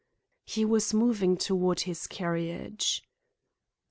He was moving toward his carriage.